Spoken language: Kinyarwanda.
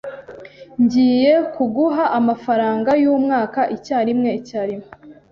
Ngiye kuguha amafaranga yumwaka icyarimwe icyarimwe.